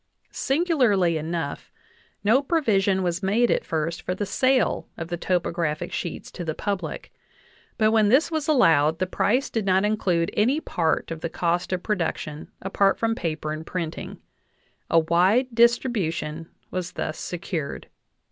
Singularly enough, no provision was made at first for the sale of the topographic sheets to the public; but when this was allowed the price did not include any part of the cost of production apart from paper and printing; a wide distribution was thus secured.